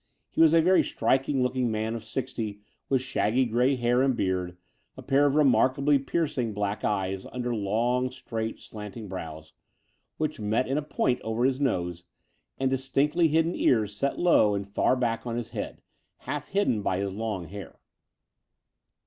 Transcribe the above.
He was a very striking looking man of sixty, with shaggy grey hair and beard, a pair of remarkably piercing black eyes under long, straight, slanting brows, which met in a point over his nose, and distinctly pointed ears set low and far back on his head, half hidden by his long hair.